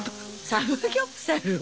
サムギョプサルを。